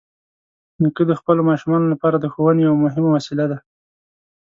نیکه د خپلو ماشومانو لپاره د ښوونې یوه مهمه وسیله ده.